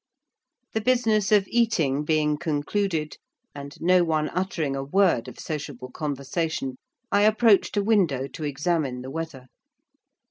The business of eating being concluded, and no one uttering a word of sociable conversation, I approached a window to examine the weather.